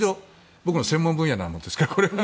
僕の専門分野なものですから。